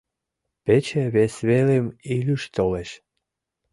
Пече вес велым Илюш толеш.